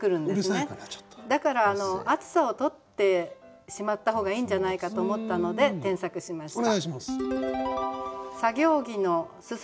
だから「暑さ」を取ってしまった方がいいんじゃないかと思ったので添削しました。